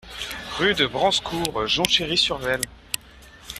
Rue de Branscourt, Jonchery-sur-Vesle